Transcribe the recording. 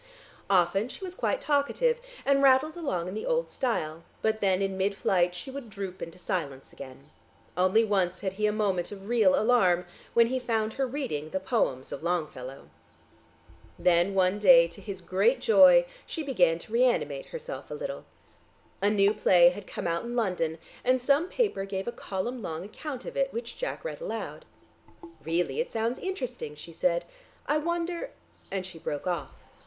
Often she was quite talkative, and rattled along in the old style, but then in midflight she would droop into silence again. Only once had he a moment of real alarm, when he found her reading the poems of Longfellow.... Then one day to his great joy, she began to reanimate herself a little. A new play had come out in London, and some paper gave a column long account of it, which Jack read aloud. "Really it sounds interesting," she said. "I wonder " and she broke off.